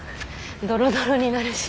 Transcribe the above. ドロドロになるし。